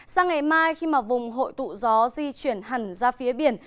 sang ngày mai khi vùng hội tụ gió di chuyển hẳn ra phía biển